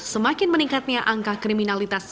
semakin meningkatnya angka kriminalitas